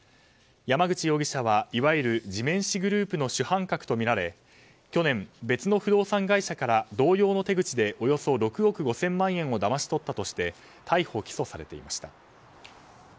山口容疑者はいわゆる地面師グループの主犯格とみられ去年、別の不動産会社から同様の手口でおよそ６億５０００万円をだまし取ったとして逮捕・起訴されていました。